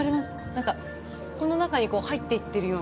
何かこの中にこう入っていってるような。